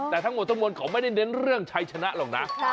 แต่ทั้งหมดทั้งมวลเขาไม่ได้เน้นเรื่องชัยชนะหรอกนะ